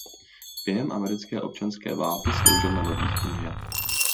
Během americké občanské války sloužil na lodích Unie.